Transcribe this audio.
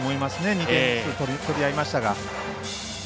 ２点ずつ取り合いましたから。